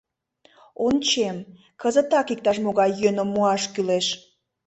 Ончем — кызытак иктаж-могай йӧным муаш кӱлеш.